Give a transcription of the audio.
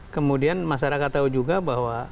kemudian masyarakat tahu juga bahwa